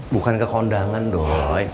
bukan ke kondangan doi